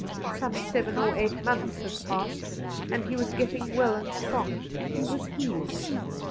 Some seven or eight months had passed, and he was getting well and strong — he was healing.